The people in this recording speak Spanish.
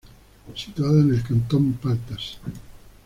Situada en el Cantón Paltas.